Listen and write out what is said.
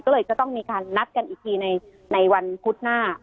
ก็เลยจะต้องมีการนัดกันอีกทีในวันพุธหน้า